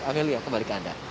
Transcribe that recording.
amelia kembali ke anda